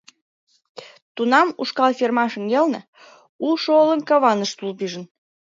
Тунам ушкал ферма шеҥгелне улшо олым каваныш тул пижын.